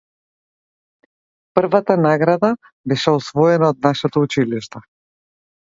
Првата награда беше освоена од нашето училиште.